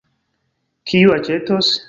Kiu aĉetos?